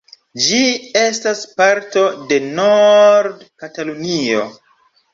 Ĝi estas parto de Nord-Katalunio.